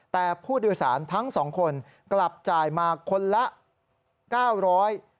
แต่ผู้โดยสารทั้งสองคนกลับจ่ายมาคนละ๙๐๐บาท